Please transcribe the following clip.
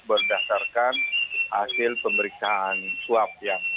berdasarkan hasil pemeriksaan swab